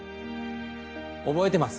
覚えてます？